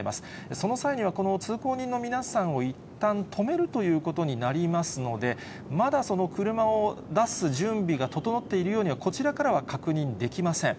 その際にはこの通行人の皆さんをいったん止めるということになりますので、まだその車を出す準備が整っているようには、こちらからは確認できません。